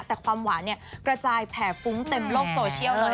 แต่ความหวานเนี่ยกระจายแผ่ฟุ้งเต็มโลกโซเชียลเลย